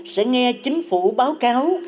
sẽ nghe chính phủ báo cáo